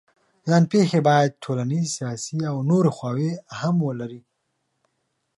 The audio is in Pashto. ځان پېښې باید ټولنیز، سیاسي او نورې خواوې هم ولري.